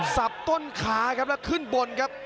สับต้นขาครับแล้วขึ้นบนครับ